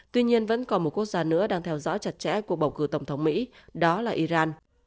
tuy nhiên vẫn còn một quốc gia nữa đang theo dõi chặt chẽ cuộc bầu cử tổng thống mỹ đó là iran